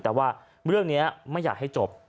แต่ว่าวันนี้ไม่อยากให้จบ